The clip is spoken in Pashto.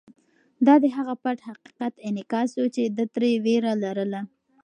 دا د هغه پټ حقیقت انعکاس و چې ده ترې وېره لرله.